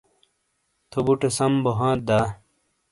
تھو بوٹے سم بو ہانت دا ؟